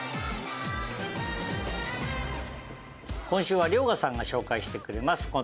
今週は遼河さんが紹介してくれます。